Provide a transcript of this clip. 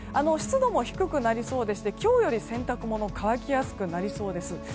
湿度も低くなりそうで今日より洗濯物が乾きやすくなりそうです。